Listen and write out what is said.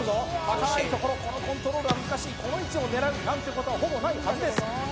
高いところこのコントロールは難しいこの位置を狙うなんてことはほぼないはずです